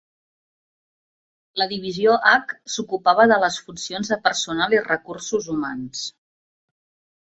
La Divisió H s'ocupava de les funcions de personal i recursos humans.